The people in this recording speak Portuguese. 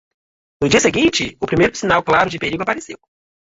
No dia seguinte?, o primeiro sinal claro de perigo apareceu.